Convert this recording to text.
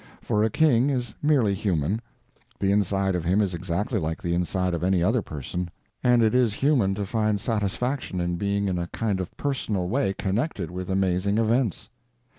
For a king is merely human; the inside of him is exactly like the inside of any other person; and it is human to find satisfaction in being in a kind of personal way connected with amazing events.